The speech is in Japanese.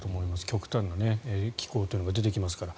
極端な気候というのが出てきますから。